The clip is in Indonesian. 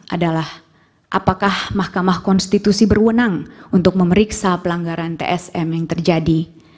adalah apakah mahkamah konstitusi berwenang untuk memeriksa pelanggaran tsm yang terjadi